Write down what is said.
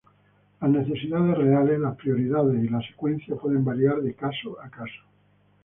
Las necesidades reales, las prioridades y la secuencia pueden variar de caso a caso.